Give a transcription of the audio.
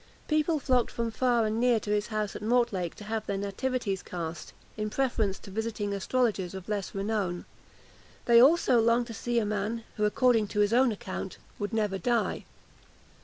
People flocked from far and near to his house at Mortlake to have their nativities cast, in preference to visiting astrologers of less renown. They also longed to see a man who, according to his own account, would never die.